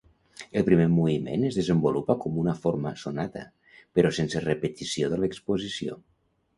El primer moviment es desenvolupa com una forma sonata, però sense repetició de l'exposició.